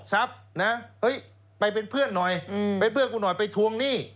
ทรัพย์นะเฮ้ยไปเป็นเพื่อนหน่อยเป็นเพื่อนกูหน่อยไปทวงหนี้